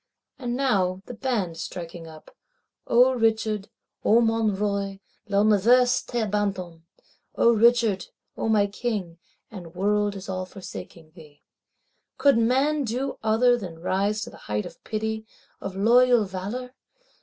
And now, the band striking up, O Richard, O mon Roi, l'univers t'abandonne (O Richard, O my King, and world is all forsaking thee)—could man do other than rise to height of pity, of loyal valour?